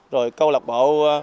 rồi câu lạc bộ